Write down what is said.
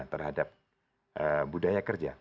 terhadap budaya kerja